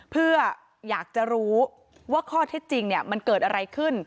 เพื่ออยากจะรู้ว่าข้อเท็จจริงมันเกิดอะไรขึ้น